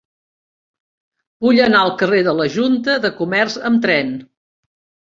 Vull anar al carrer de la Junta de Comerç amb tren.